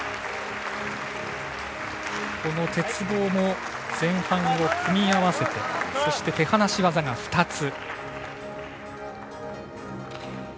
この鉄棒も前半を組み合わせてそして、手放し技が２つ。